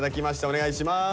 お願いします！